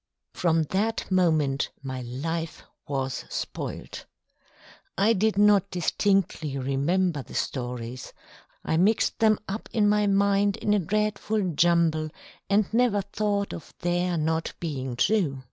From that moment my life was spoilt. I did not distinctly remember the stories: I mixed them up in my mind in a dreadful jumble, and never thought of their not being true.